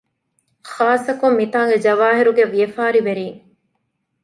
ޚާއްސަކޮށް މިތާނގެ ޖަވާހިރުގެ ވިޔަފާރިވެރީން